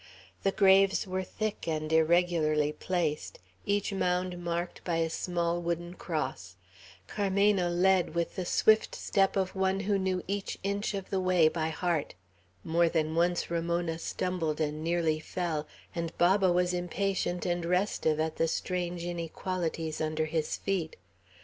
The graves were thick, and irregularly placed, each mound marked by a small wooden cross. Carmena led with the swift step of one who knew each inch of the way by heart. More than once Ramona stumbled and nearly fell, and Baba was impatient and restive at the strange inequalities under his feet.